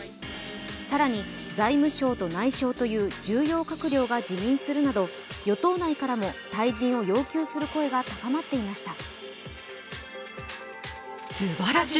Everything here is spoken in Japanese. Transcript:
更に、財務相と内相という重要閣僚が辞任するなど、与党内からも退陣を要求する声が高まっていました。